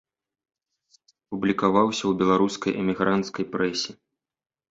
Публікаваўся ў беларускай эмігранцкай прэсе.